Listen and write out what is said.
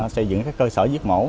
xây dựng các cơ sở giết mổ